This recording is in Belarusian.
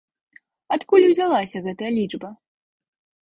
Адкуль узялася гэтая лічба?